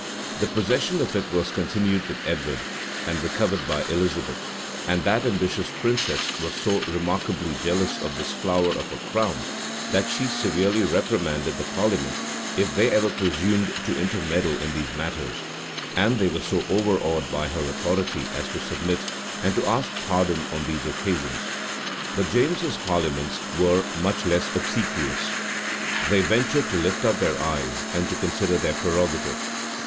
The possession of it was continued with Edward, and recovered by Elizabeth; and that ambitious princess was so remarkably jealous of this flower of her crown, that she severely reprimanded the parliament if they ever presumed to intermeddle in these matters; and they were so overawed by her authority as to submit, and to ask pardon on these occasions. But James's parliaments were much less obsequious. They ventured to lift up their eyes, and to consider this prerogative.